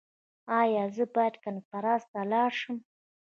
ایا زه باید کنفرانس ته لاړ شم؟